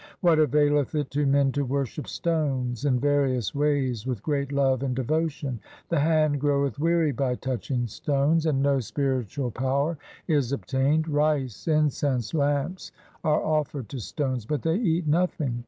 What availeth it to men to worship stones in various ways with great love and devotion ? The hand groweth weary by touching stones, and no spiritual power is obtained. Rice, incense, lamps are offered to stones, but they eat nothing.